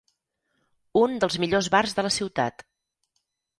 Un dels millors bars de la ciutat.